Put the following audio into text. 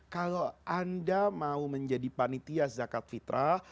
kalau anda mau menjadi panitia zakat fitrah